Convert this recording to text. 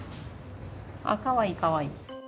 かわいいかわいい。